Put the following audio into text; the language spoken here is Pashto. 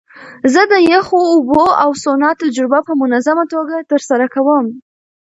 زه د یخو اوبو او سونا تجربه په منظمه توګه ترسره کوم.